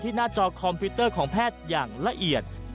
หน้าจอคอมพิวเตอร์ของแพทย์อย่างละเอียด